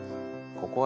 ここは。